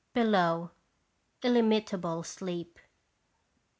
Below illimitable steep